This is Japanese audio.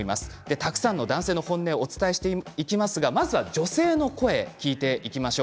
たくさんの男性の本音をお伝えしていきますがまずは女性の声を聞いていきましょう。